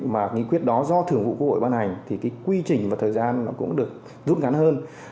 mà nghị quyết đó do thường vụ quốc hội ban hành thì cái quy trình và thời gian nó cũng được rút ngắn hơn